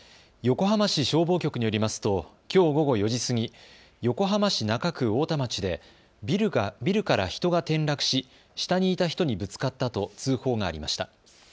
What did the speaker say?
横浜市消防局によりますときょう午後４時過ぎ、横浜市中区太田町でビルから人が転落し下にいた人にぶつかったと通報がありました。